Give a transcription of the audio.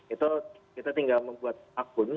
itu kita tinggal membuat akun